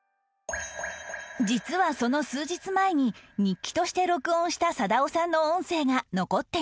実はその数日前に日記として録音した貞雄さんの音声が残っていました